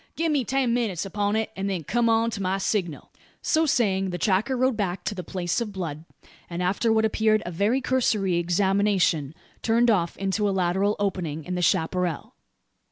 Give me ten minutes upon it, and then come on to my signal." So saying the tracker rode back to the "place of blood;" and after what appeared a very cursory examination, turned off into a lateral opening in the chapparal.